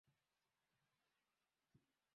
sini na tano na punde tu nitarudi kukusomea